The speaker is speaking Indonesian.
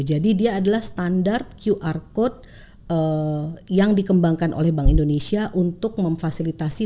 jadi dia adalah standard qr code yang dikembangkan oleh bank indonesia untuk memfasilitasi